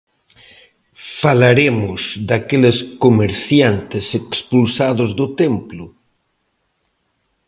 ¿Falaremos daqueles comerciantes expulsados do templo?